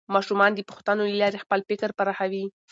ماشومان د پوښتنو له لارې خپل فکر پراخوي